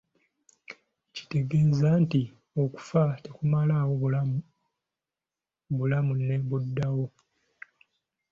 "Kitegeeza nti okufa tekumalaawo bulamu, bumala ne buddawo."